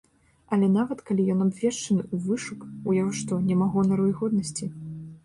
Але нават калі ён абвешчаны ў вышук, ў яго што, няма гонару і годнасці?